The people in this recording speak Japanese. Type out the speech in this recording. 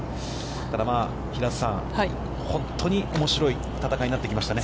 平瀬さん、本当におもしろい戦いになってきましたね。